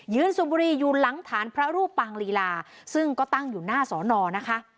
สูบบุรีอยู่หลังฐานพระรูปปางลีลาซึ่งก็ตั้งอยู่หน้าสอนอนะคะ